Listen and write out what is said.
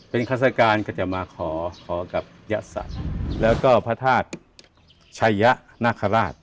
เป็นฆาตการก็จะมาขอขอกับยะสัตว์แล้วก็พระธาตุชัยยะนาคาราช